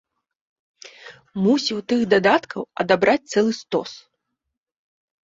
Мусіў тых дадаткаў адабраць цэлы стос.